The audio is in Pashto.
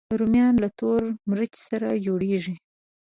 رومیان له تور مرچ سره جوړېږي